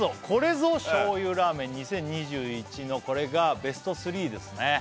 これぞ醤油ラーメン２０２１のこれがベスト３ですね